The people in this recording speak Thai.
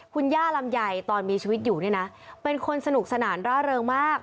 คุณย่าลำไยตอนมีชีวิตอยู่เนี่ยนะเป็นคนสนุกสนานร่าเริงมาก